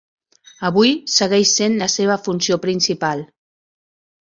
Avui segueix sent la seva funció principal.